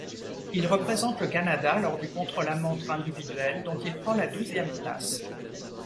Il représente le Canada lors du contre-la-montre individuel, dont il prend la douzième place.